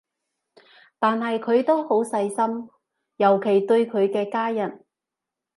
但係佢都好細心，尤其對佢嘅家人